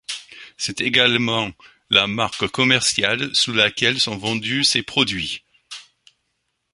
C'est également la marque commerciale sous laquelle sont vendus ses produits.